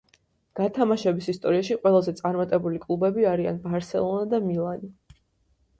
გათამაშების ისტორიაში, ყველაზე წარმატებული კლუბები არიან „ბარსელონა“ და „მილანი“.